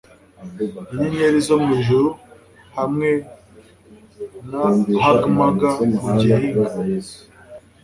Inyenyeri zo mwijuru hamwe na huggermugger guhinga